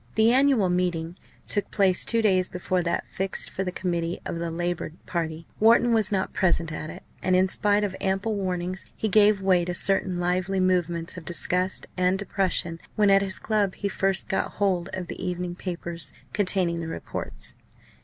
The annual meeting took place two days before that fixed for the committee of the Labour party. Wharton was not present at it, and in spite of ample warning he gave way to certain lively movements of disgust and depression when at his club he first got hold of the evening papers containing the reports.